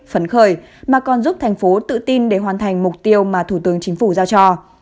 phấn khởi mà còn giúp thành phố tự tin để hoàn thành mục tiêu mà thủ tướng chính phủ giao cho